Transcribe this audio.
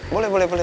boleh boleh boleh